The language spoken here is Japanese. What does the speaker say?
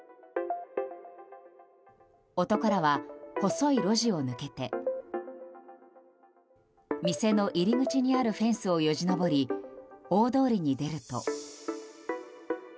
男らは細い路地を抜けて店の入り口にあるフェンスをよじ登り大通りに出ると。